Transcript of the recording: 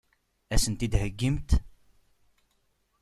Ad sen-t-id-theggimt?